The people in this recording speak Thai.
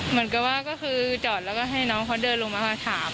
มีเด็กอยู่บนรถอยู่เยอะเยอะนะอย่างนี้๒๓คนครับ